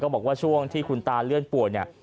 บอกว่าช่วงที่คุณตาเลื่อนป่วยเนี่ย